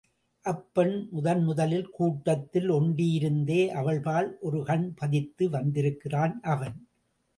அப்பெண் முதன் முதலில் கூட்டத்தில் ஒண்டியதிலிருந்தே அவள்பால் ஒரு கண் பதித்து வந்திருக்கிறான் அவன்.